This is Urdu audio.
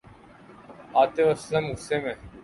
آطف اسلم غصے میں